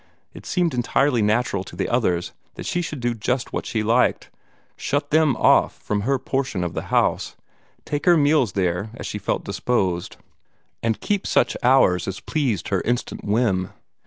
It seemed entirely natural to the others that she should do just what she liked, shut them off from her portion of the house, take her meals there if she felt disposed, and keep such hours as pleased her instant whim.